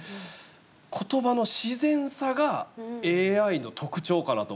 言葉の自然さがＡＩの特徴かなと思って。